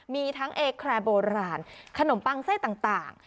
มีทั้งเอแครโบราณขนมปังไส้ต่าง